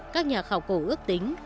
các nhà khảo cổ ước tính